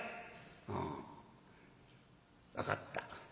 「ああ分かった。